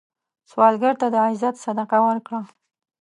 سوالګر ته د عزت صدقه ورکړه